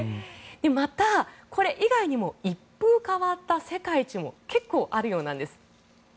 また、これ以外にも一風変わった世界一も結構あるようなんです。